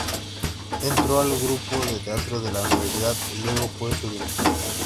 Entró al grupo de teatro de la universidad y luego fue su director.